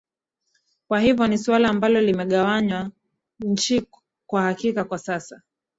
kwa hivyo ni suala ambalo limegawanya nchi kwa hakika kwa sasa